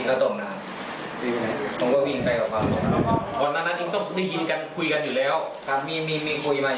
เขาจะพากันออกนั่งมานี่